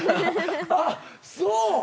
あっそう。